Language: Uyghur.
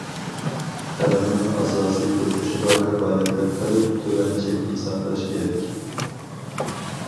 خەلقنىڭ ئاساسىي تۇرمۇشىغا كاپالەتلىك قىلىپ، تۆۋەن چەكنى ساقلاش كېرەك.